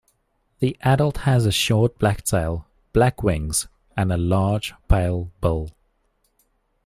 The adult has a short black tail, black wings and a large pale bill.